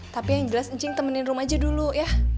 tapi yang jelas cing temenin rum aja dulu ya